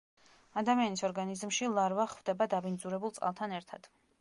ადამიანის ორგანიზმში ლარვა ხვდება დაბინძურებულ წყალთან ერთად.